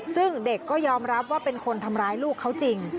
ซึ่งเด็กก็ยอมรับว่าเป็นคนทำร้ายลูกเขาจริง